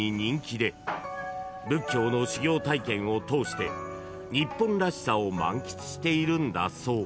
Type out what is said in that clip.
［仏教の修行体験を通して日本らしさを満喫しているんだそう］